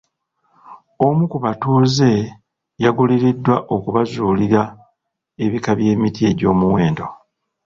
Omu ku batuuze yaguliriddwa okubazuulira ebika by'emiti egy'omuwendo.